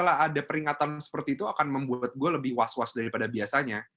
kalau ada peringatan seperti itu akan membuat gue lebih was was daripada biasanya